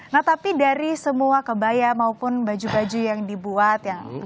nah tapi dari semua kebaya maupun baju baju yang dibuat